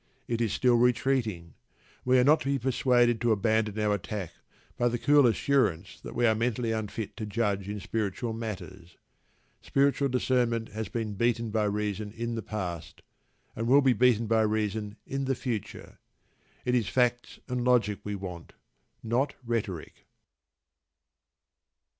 It is still retreating, and we are not to be persuaded to abandon our attack by the cool assurance that we are mentally unfit to judge in spiritual matters. Spiritual Discernment has been beaten by reason in the past, and will be beaten by reason in the future. It is facts and logic we want, not rhetoric.